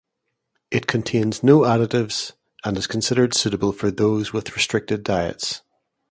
It contains no additives and is considered suitable for those with restricted diets.